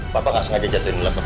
papa gak sengaja jatuhin ulat pak